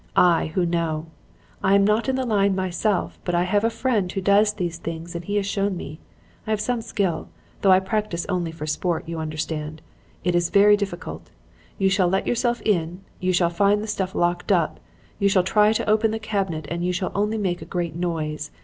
I, who know. I am not in the line myself, but I have a friend who does these things and he has shown me. I have some skill though I practice only for sport, you understand. It is very difficult. You shall let yourself in, you shall find the stuff locked up, you shall try to open the cabinet and you shall only make a great noise.